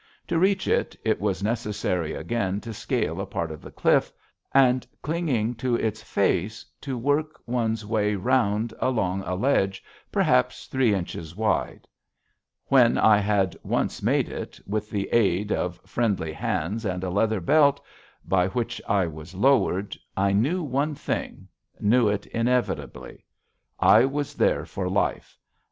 To reach it it was necessary again to scale a part of the cliff, and, clinging to its face, to work one's way round along a ledge perhaps three inches wide. When I had once made it, with the aid of friendly hands and a leather belt, by which I was lowered, I knew one thing knew it inevitably. I was there for life.